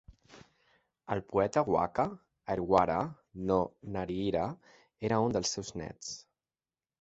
El poeta "waka" Ariwara no Narihira era un dels seus nets.